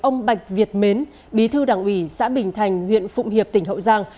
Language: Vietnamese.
ông bạch việt mến bí thư đảng ủy xã bình thành huyện phụng hiệp tỉnh hậu giang